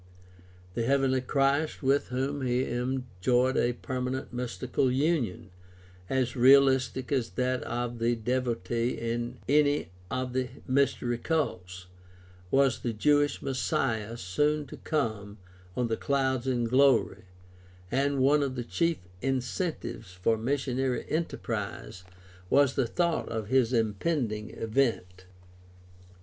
The heavenly Christ with whom he enjoyed a perma nent mystical union, as realistic as that of the devotee in any of the mystery cults, was the Jewish Messiah soon to come on the clouds in glory, and one of the chief incentives for missionary enterprise was the thought of this impending event.